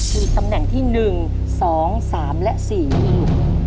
คือตำแหน่งที่๑๒๓และ๔นี่ลูก